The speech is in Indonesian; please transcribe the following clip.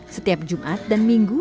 setiap jumat dan minggu